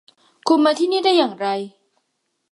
คุณมาที่นี่ได้อย่างไร